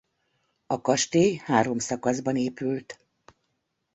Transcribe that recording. A kastély három szakaszban épült.